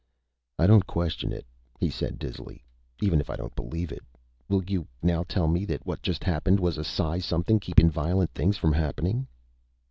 "I don't question it," he said dizzily, "even if I don't believe it. Will you now tell me that what just happened was a psi something keepin' violent things from happening?"